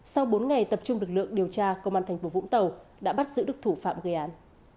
sau bốn ngày tập trung lực lượng điều tra công an thành phố vũng tàu đã bắt giữ được thủ phạm gây án